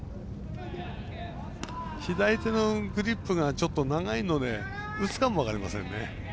左手のグリップがちょっと長いので打つかも分かりませんね。